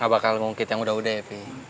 gak bakal ngungkit yang udah udah ya peh